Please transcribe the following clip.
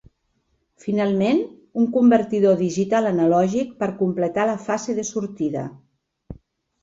Finalment, un convertidor digital/analògic per completar la fase de sortida.